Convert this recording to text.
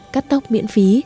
cắt tóc miễn phí